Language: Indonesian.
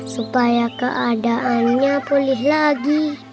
supaya keadaannya pulih lagi